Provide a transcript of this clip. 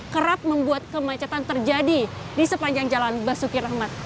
kerap membuat kemacetan terjadi di sepanjang jalan basuki rahmat